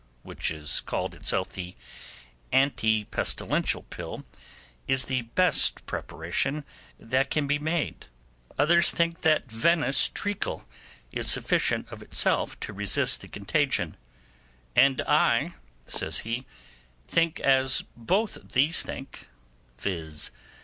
which is called itself the anti pestilential pill is the best preparation that can be made; others think that Venice treacle is sufficient of itself to resist the contagion; and I', says he, 'think as both these think, viz.